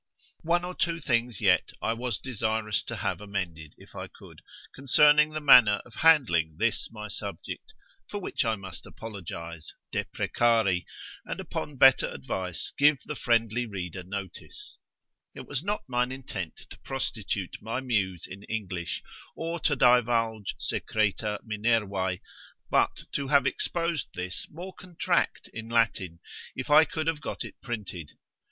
One or two things yet I was desirous to have amended if I could, concerning the manner of handling this my subject, for which I must apologise, deprecari, and upon better advice give the friendly reader notice: it was not mine intent to prostitute my muse in English, or to divulge secreta Minervae, but to have exposed this more contract in Latin, if I could have got it printed.